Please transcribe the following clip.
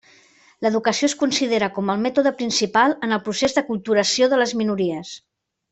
L'educació es considera com el mètode principal en el procés d'aculturació de les minories.